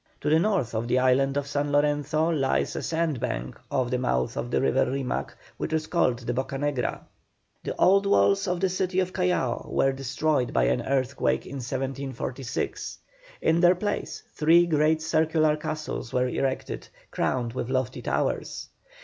To the north of the island of San Lorenzo lies a sandbank, off the mouth of the river Rimac, which is called the Bocanegra. The old walls of the city of Callao were destroyed by an earthquake in 1746. In their place three great circular castles were erected, crowned with lofty towers.